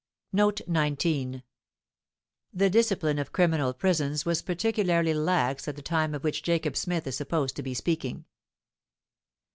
Footnote 19: The discipline of criminal prisons was particularly lax at the time of which Jacob Smith is supposed to be speaking.